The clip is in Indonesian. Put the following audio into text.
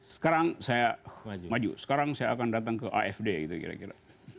sekarang saya maju sekarang saya akan datang ke afd gitu kira kira